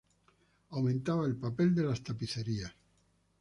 Aumentaba el papel de las tapicerías.